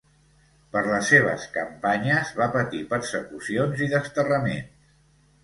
Per les seves campanyes va patir persecucions i desterraments.